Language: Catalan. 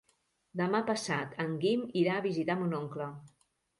Demà passat en Guim irà a visitar mon oncle.